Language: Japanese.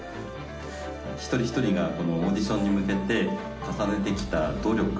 一人一人がこのオーディションに向けて重ねて来た努力